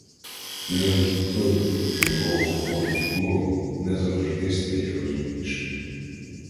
І навіть той, хто його обходить кругом, не завжди стає розумнішим.